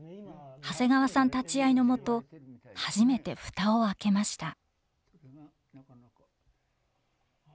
長谷川さん立ち会いのもと初めて蓋を開けました。